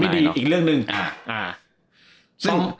มีดีอีกเรื่องนึง